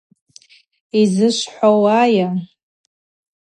Йазышвхӏвауайа?